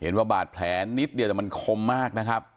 ว่าบาดแผลนิดเดียวแต่มันคมมากนะครับ